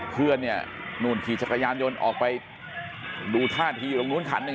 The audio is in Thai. เพื่อนเนี่ยนู่นขี่จักรยานยนต์ออกไปดูท่าทีอยู่ตรงนู้นขันหนึ่ง